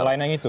selain yang itu